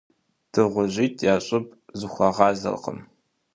Дыгъужьитӏ я щӏыб зэхуагъазэркъым.